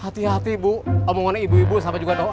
hati hati bu omongan ibu ibu sama juga doa